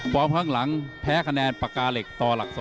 ข้างหลังแพ้คะแนนปากกาเหล็กต่อหลัก๒